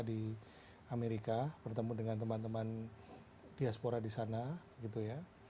di amerika bertemu dengan teman teman diaspora di sana gitu ya